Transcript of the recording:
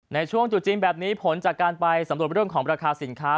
ในช่วงจุดจีนแบบนี้ผลจากการไปสำรวจเรื่องของราคาสินค้า